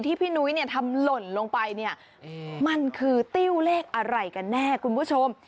พี่นุ้ยเนี่ยทำหล่นลงไปเนี่ยมันคือติ้วเลขอะไรกันแน่คุณผู้ชม